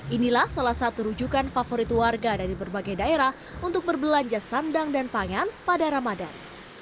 inilah salah satu rujukan favorit warga dari berbagai daerah untuk berbelanja sandang dan pangan pada ramadan